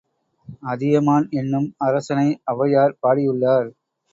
அதியமான் என்னும் அரசனை ஒளவையார் பாடியுள்ளார்.